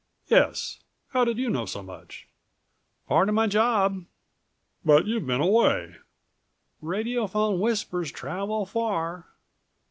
"Yes, how did you know so much?" "Part of my job." "But you've been away." "Radiophone whispers travel far."